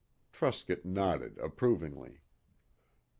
Truscott nodded approvingly.